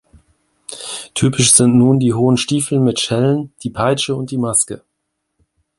Typisch sind nun die hohen Stiefel mit Schellen, die Peitsche und die Maske.